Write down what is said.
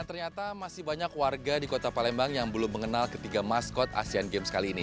ternyata masih banyak warga di kota palembang yang belum mengenal ketiga maskot asian games kali ini